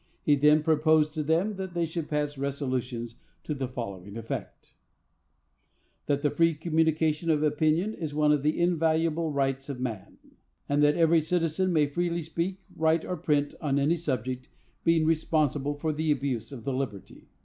He then proposed to them that they should pass resolutions to the following effect: That the free communication of opinion is one of the invaluable rights of man; and that every citizen may freely speak, write or print, on any subject, being responsible for the abuse of the liberty.